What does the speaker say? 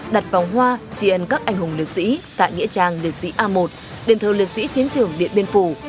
đặt vòng hoa triển các anh hùng lịch sỹ tại nghĩa trang lịch sỹ a một điện thờ lịch sỹ chiến trường điện biên phủ